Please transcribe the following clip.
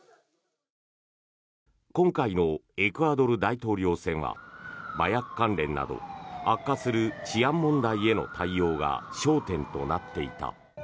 今回のエクアドル大統領選は麻薬関連など悪化する治安問題への対応が焦点となっていた。